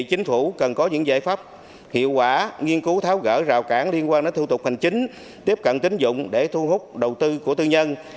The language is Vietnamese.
chính phủ cần có những giải pháp hiệu quả nghiên cứu tháo gỡ rào cản liên quan đến thủ tục hành chính tiếp cận tín dụng để thu hút đầu tư của tư nhân